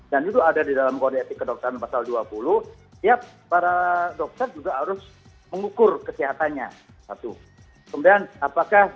dokter pasal pasal dua puluh tiap para suka harus mengukur kesehatannya satu kemudian apakah